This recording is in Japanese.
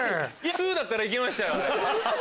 スゥだったらいけましたよ。